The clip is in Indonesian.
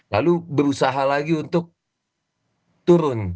lalu berusaha lagi untuk turun